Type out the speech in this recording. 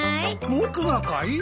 僕がかい！？